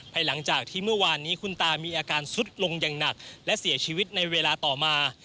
หลังจากที่เมื่อวานนี้คุณตามีอาการซุดลงอย่างหนักและเสียชีวิตในเวลาต่อมา